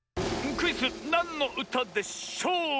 クイズ「なんのうたでしょう」！